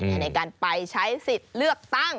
ในการไปใช้สิทธิ์เลือกตั้ง